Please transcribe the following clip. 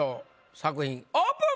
作品オープン！